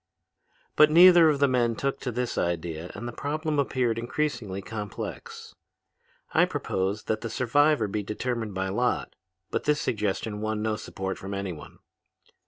"But neither of the men took to this idea and the problem appeared increasingly complex. I proposed that the survivor be determined by lot, but this suggestion won no support from anyone.